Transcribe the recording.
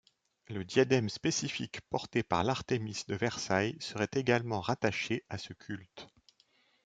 Le diadème spécifique porté par l'Artémis de Versailles serait également rattaché à ce culte.